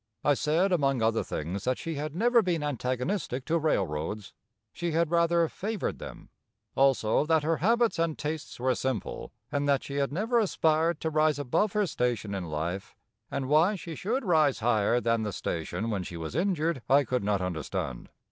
I said among other things that she had never been antagonistic to railroads. She had rather favored them; also that her habits and tastes were simple and that she had never aspired to rise above her station in life, and why she should rise higher than the station when she was injured I could not understand.